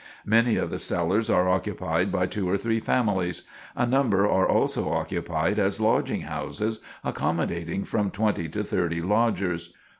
Many of the cellars are occupied by two or three families; a number are also occupied as lodging houses, accommodating from twenty to thirty lodgers.